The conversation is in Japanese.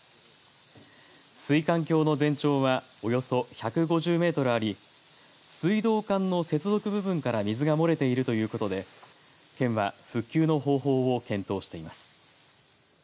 水管橋の全長はおよそ１５０メートルあり水道管の接続部分から水が漏れているということで県は復旧の方法を検討しています。